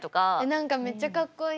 何かめっちゃかっこいい。